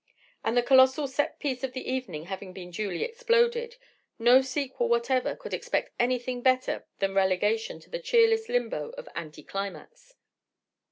And the colossal set piece of the evening having been duly exploded, no sequel whatever could expect anything better than relegation to the cheerless limbo of anticlimax.